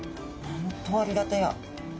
本当ありがたや。